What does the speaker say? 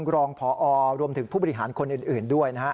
รองพอรวมถึงผู้บริหารคนอื่นด้วยนะฮะ